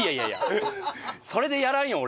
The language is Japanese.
それでやらんよ俺。